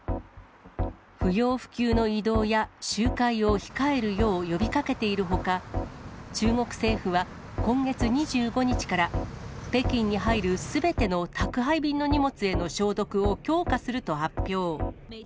不要不急の移動や集会を控えるよう呼びかけているほか、中国政府は、今月２５日から、北京に入るすべての宅配便の荷物への消毒を強化すると発表。